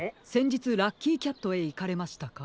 じつラッキーキャットへいかれましたか？